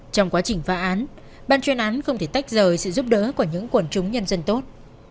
trong quá trình phá án ban chuyên án không thể tách rời sự giúp đỡ của những quần chúng nhân dân tốt